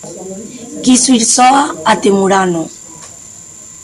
Quiso ir soa até Murano.